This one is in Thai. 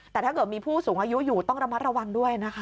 แต่ถ้าเกิดมีผู้สูงอายุอยู่ต้องระมัดระวังด้วยนะคะ